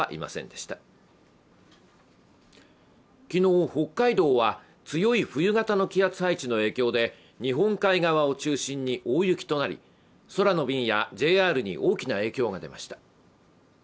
昨日、北海道は強い冬型の気圧配置の影響で、日本海側を中心に大雪となり空の便やＪＲに大きな影響が出ました。